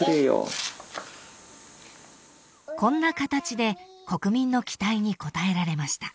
［こんな形で国民の期待に応えられました］